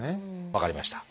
分かりました。